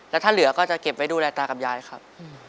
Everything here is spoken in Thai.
แล้วถ้าเหลือก็จะเก็บไว้ดูแลตากับยายครับ